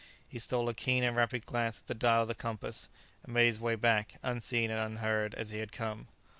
He stole a keen and rapid glance at the dial of the compass, and made his way back, unseen and unheard as he had come.